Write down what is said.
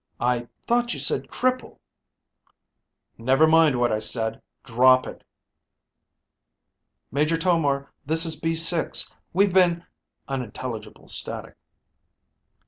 I thought you said cripple." "Never mind what I said. Drop it." "Major Tomar. This is B 6. We've been " (Unintelligible static.)